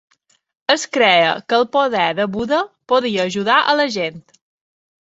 Es creia que el poder de Buda podria ajudar la gent.